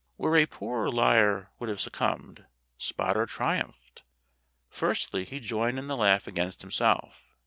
Where a poorer liar would have succumbed, Spotter triumphed. Firstly, he joined in the laugh against himself.